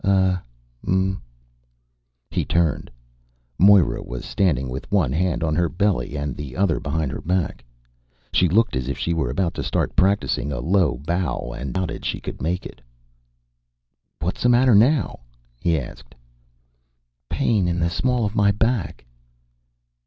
"Uh. Mm." He turned. Moira was standing with one hand on her belly and the other behind her back. She looked as if she were about to start practicing a low bow and doubted she could make it. "What's the matter now?" he asked. "Pain in the small of my back."